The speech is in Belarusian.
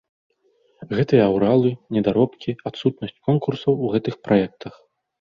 Гэтыя аўралы, недаробкі, адсутнасць конкурсаў у гэтых праектах.